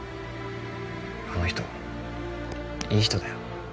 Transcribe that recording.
あの人いい人だよ。